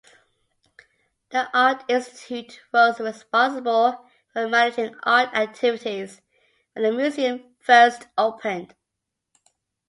The Art Institute was responsible for managing art activities when the museum first opened.